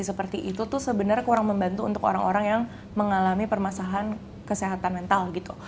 seperti itu tuh sebenarnya kurang membantu untuk orang orang yang mengalami permasalahan kesehatan mental gitu